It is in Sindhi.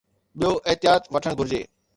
ٻيو احتياط وٺڻ گهرجي.